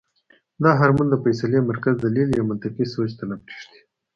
دا هارمون د فېصلې مرکز دليل يا منطقي سوچ ته نۀ پرېږدي -